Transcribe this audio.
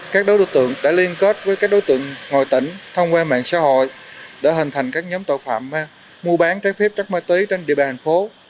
các đối tượng đã liên kết với các đối tượng ngoài tỉnh thông qua mạng xã hội đã hình thành các nhóm tội phạm mua bán trái phép chất ma túy trên địa bàn thành phố